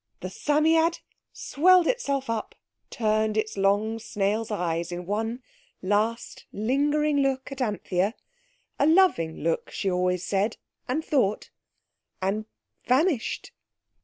The Psammead swelled itself up, turned its long snail's eyes in one last lingering look at Anthea—a loving look, she always said, and thought—and—vanished.